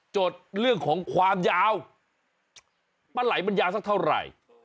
จดเรื่องของความยาวปลาไหล่มันยาวสักเท่าไหร่